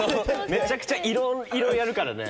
めちゃくちゃ色々やるからね。